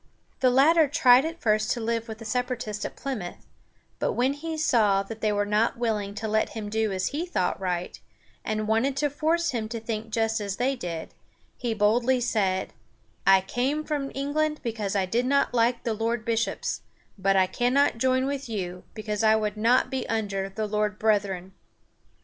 The latter tried at first to live with the Separatists at Plymouth, but when he saw that they were not willing to let him do as he thought right, and wanted to force him to think just as they did, he boldly said: "I came from England because I did not like the Lord Bishops, but I cannot join with you, because I would not be under the Lord Brethren."